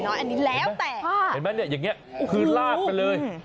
เห็นมะเนี้ยด้วยอย่างงี้คือราดไปเลย